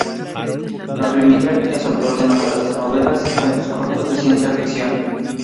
Larry Niven es autor de numerosas novelas y cuentos cortos de ciencia ficción.